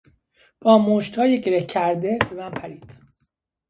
با مشتهای گره کرده به من پرید.